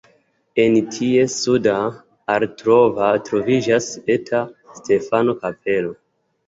En ties suda alo troviĝas eta Stefano-kapelo.